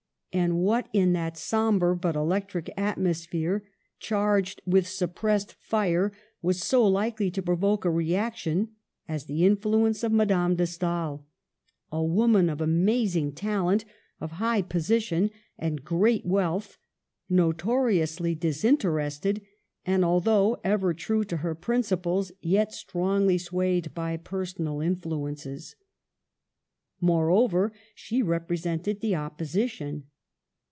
And what, in that jsombre but electric atmosphere, charged with (suppressed fire, was so likely to provoke a reac tion as the influence of Madame de Stael — a woman of anuzing talent, of high position and great wealth ; notoriously disinterested, and, although ever true to her principles, yet strongly swayed by personal influences. Moreover, she represented the Opposition.